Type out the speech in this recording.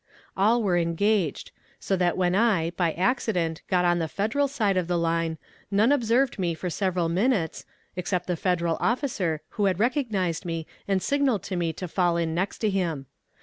All were engaged, so that when I, by accident, got on the Federal side of the line, none observed me for several minutes, except the Federal officer, who had recognized me and signed to me to fall in next to him.